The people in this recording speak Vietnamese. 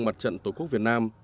mặt trận tổ quốc việt nam